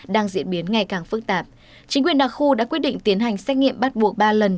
đang diễn biến ngày càng phức tạp chính quyền đa khu đã quyết định tiến hành xét nghiệm bắt buộc ba lần